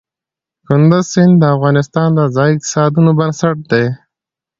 کندز سیند د افغانستان د ځایي اقتصادونو بنسټ دی.